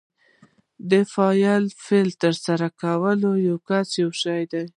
فاعل د فعل ترسره کوونکی کس یا شی دئ.